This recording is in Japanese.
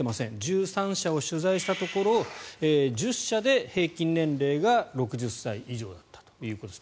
１３社を取材したところ１０社で平均年齢が６０歳以上だったということです。